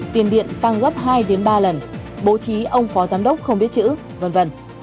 tiền điện tăng gấp hai ba lần bố trí ông phó giám đốc không biết chữ v v